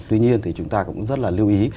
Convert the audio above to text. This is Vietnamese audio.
tuy nhiên thì chúng ta cũng rất là lưu ý